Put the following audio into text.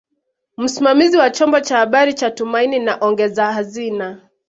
Msimamizi wa chombo cha habari cha Tumaini na ongeza hazina